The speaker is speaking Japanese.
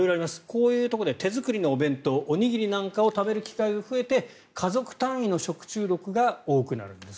こういうところで手作りのお弁当おにぎりなんかを食べる機会が増えて家族単位の食中毒が多くなります。